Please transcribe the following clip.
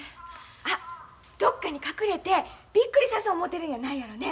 あっどっかに隠れてびっくりさそ思てるんやないやろね？